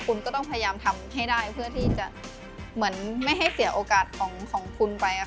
คุณก็ต้องพยายามทำให้ได้เพื่อที่จะเหมือนไม่ให้เสียโอกาสของคุณไป